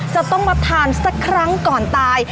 จะต้องมาทานสักครั้งก่อนตาย